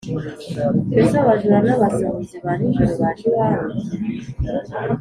mbese abajura n’abasahuzi ba nijoro baje iwawe,